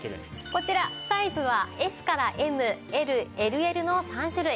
こちらサイズはＳからＭＬＬＬの３種類。